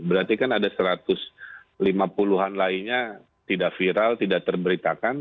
berarti kan ada satu ratus lima puluh an lainnya tidak viral tidak terberitakan